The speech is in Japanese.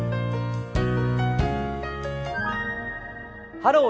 「ハロー！